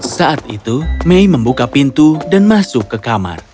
saat itu mei membuka pintu dan masuk ke kamar